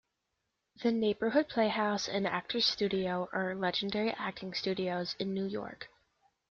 The Neighborhood Playhouse and Actors Studio are legendary acting studios in New York.